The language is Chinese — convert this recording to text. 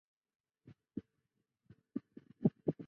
政府对土地及所属房屋的征收是民众最为关注的行为。